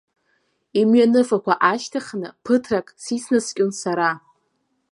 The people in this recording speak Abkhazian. Имҩаныфақәа аашьҭыхны ԥыҭрак сицнаскьон сара.